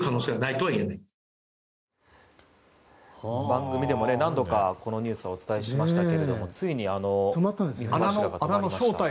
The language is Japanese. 番組でも何度かこのニュースをお伝えしましたけどついに水柱が止まりました。